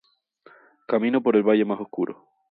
Camino por el valle más oscuro.